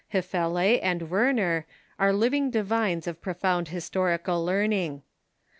Hefele and Werner are living divines of profound historical learning.